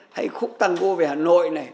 hay khúc tango về hà nội này